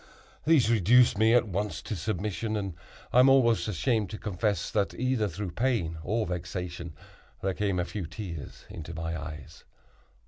These reduced me at once to submission, and I am almost ashamed to confess that either through pain or vexation, there came a few tears into my eyes.